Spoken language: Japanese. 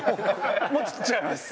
ちょっと違います。